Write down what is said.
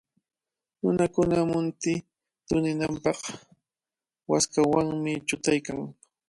Nunakuna munti tuninanpaq waskawanmi chutaykan.